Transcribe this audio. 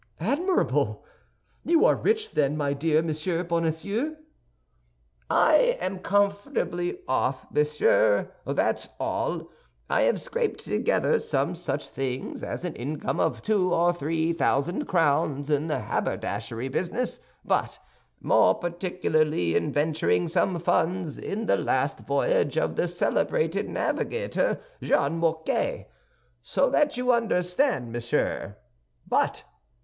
"Admirable! You are rich then, my dear Monsieur Bonacieux?" "I am comfortably off, monsieur, that's all; I have scraped together some such things as an income of two or three thousand crowns in the haberdashery business, but more particularly in venturing some funds in the last voyage of the celebrated navigator Jean Moquet; so that you understand, monsieur—But!